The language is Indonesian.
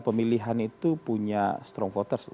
pemilihan itu punya strong voters